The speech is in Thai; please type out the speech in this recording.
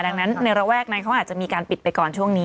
ดังนั้นในระแวกนั้นเขาอาจจะมีการปิดไปก่อนช่วงนี้